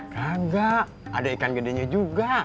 kagak ada ikan gedenya juga